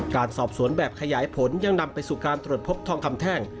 การสอบสวนแบบขยายผลยังนำไปสู่การตรวจพบทองคำแท่ง